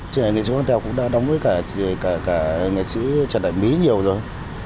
thế này nghệ sĩ quang tèo cũng đã đóng với cả nghệ sĩ trần đại mỹ nhiều rồi